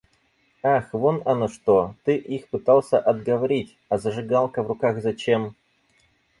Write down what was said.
Ах вон оно что, ты их пытался отговорить. А зажигалка в руках зачем?